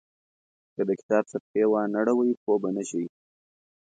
که د کتاب صفحې وانه ړوئ پوه به نه شئ.